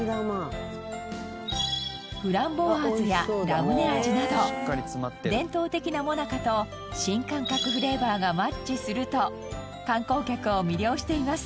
フランボワーズやラムネ味など伝統的なもなかと新感覚フレーバーがマッチすると観光客を魅了しています。